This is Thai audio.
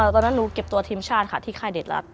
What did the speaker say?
ตอนนั้นหนูเก็บตัวทีมชาติค่ะที่ค่ายเด็ดรัฐ